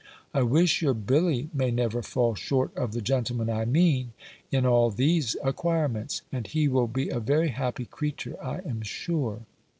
I wish your Billy may never fall short of the gentleman I mean, in all these acquirements; and he will be a very happy creature, I am sure.